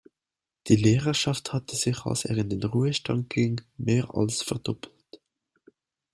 Die Lehrerschaft hatte sich, als er in den Ruhestand ging, mehr als verdoppelt.